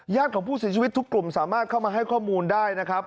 ของผู้เสียชีวิตทุกกลุ่มสามารถเข้ามาให้ข้อมูลได้นะครับ